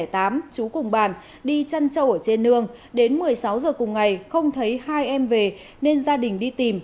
chú cùng bàn đi chăn trầu ở trên nương đến một mươi sáu giờ cùng ngày không thấy hai em về nên gia đình đi tìm